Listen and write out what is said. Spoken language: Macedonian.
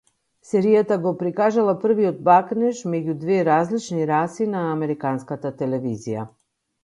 Серијата го прикажала првиот бакнеж меѓу две различни раси на американската телевизија.